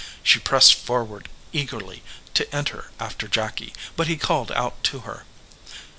She pressed forward eagerly to enter after Jacky, but he called out to her.